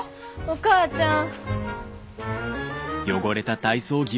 お母ちゃん！